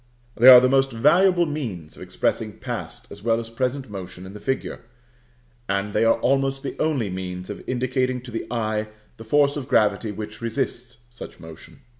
They are the most valuable means of expressing past as well as present motion in the figure, and they are almost the only means of indicating to the eye the force of gravity which resists such motion.